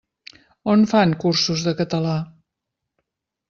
On fan cursos de català?